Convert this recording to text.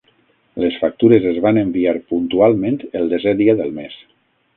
Les factures es van enviar puntualment el desè dia del mes.